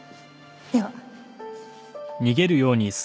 では。